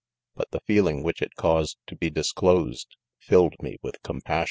but the feeling which it caused to be disclosed filled me with compassion.